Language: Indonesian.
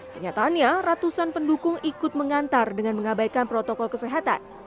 kenyataannya ratusan pendukung ikut mengantar dengan mengabaikan protokol kesehatan